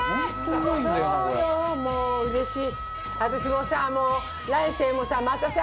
私もさ